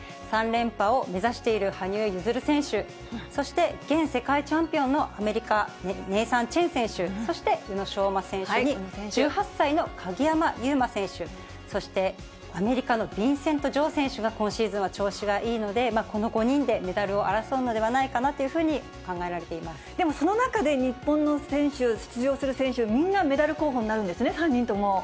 ３連覇を目指している羽生結弦選手、そして現世界チャンピオンのアメリカ、ネイサン・チェン選手、そして宇野昌磨選手に、１８歳の鍵山優真選手、そして、アメリカのビンセント・ジョウ選手の今シーズンは調子がいいので、この５人でメダルを争うのではないかなというふうに考えられていでもその中で日本の選手、出場する選手、みんなメダル候補になるんですね、３人とも。